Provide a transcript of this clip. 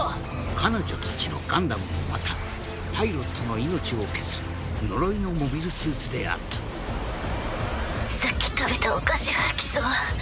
彼女たちのガンダムもまたパイロットの命を削る呪いのモビルスーツであったさっき食べたお菓子吐きそう。